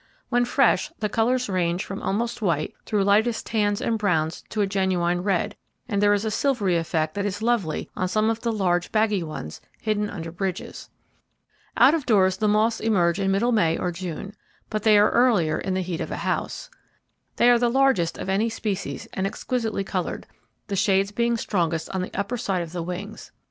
When fresh, the colours range from almost white through lightest tans and browns to a genuine red, and there is a silvery effect that is lovely on some of the large, baggy ones, hidden under bridges. Out of doors the moths emerge in middle May or June, but they are earlier in the heat of a house. They are the largest of any species, and exquisitely coloured, the shades being strongest on the upper side of the wings.